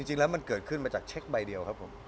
จริงแล้วมันเกิดขึ้นมาจากเช็คใบเดียวครับผม